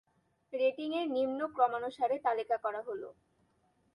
Rating এর নিম্ন ক্রমানুসারে তালিকা করা হল।